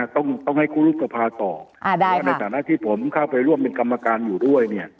ต้องต้องให้ครูรูปภาพต่ออ่าได้ค่ะในฐานะที่ผมเข้าไปร่วมเป็นกรรมการอยู่ด้วยเนี่ย